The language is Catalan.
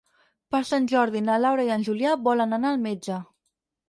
Per Sant Jordi na Laura i en Julià volen anar al metge.